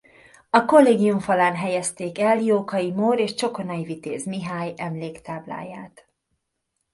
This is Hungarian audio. A kollégium falán helyezték el Jókai Mór és Csokonai Vitéz Mihály emléktábláját.